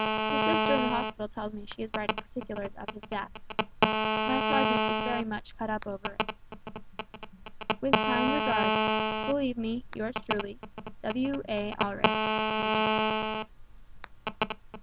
The sister in the hospital tells me she is writing particulars of his death. My sergeant is very much cut up over it. "With kind regards, "Believe me, yours truly, "W.A. ALDRIDGE Major."